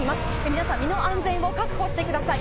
皆さん身の安全を確保してください。